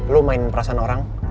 lo mainin perasaan orang